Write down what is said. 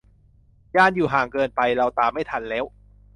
ยานอยู่ห่างเกินไป เราตามไม่ทันแล้ว